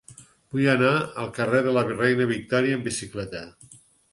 Vull anar al carrer de la Reina Victòria amb bicicleta.